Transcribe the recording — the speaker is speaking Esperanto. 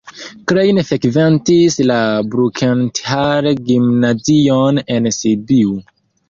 Klein frekventis la Brukenthal-gimnazion en Sibiu.